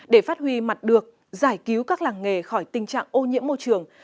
để phát huy mặt được giải cứu các làng nghề khỏi tình trạng ô nhiễm môi trường